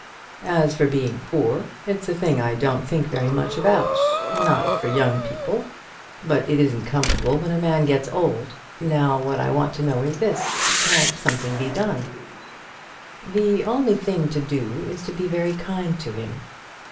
"As for being poor, it's a thing I don't think very much about, not for young people. But it isn't comfortable when a man gets old. Now what I want to know is this; can't something be done?" "The only thing to do is to be very kind to him.